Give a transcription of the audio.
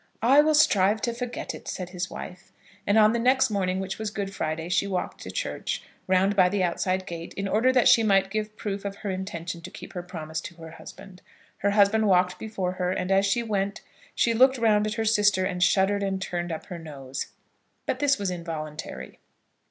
"I will strive to forget it," said his wife. And on the next morning, which was Good Friday, she walked to church, round by the outside gate, in order that she might give proof of her intention to keep her promise to her husband. Her husband walked before her; and as she went she looked round at her sister and shuddered and turned up her nose. But this was involuntary.